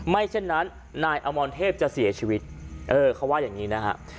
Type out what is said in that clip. เช่นนั้นนายอมรเทพจะเสียชีวิตเออเขาว่าอย่างนี้นะฮะ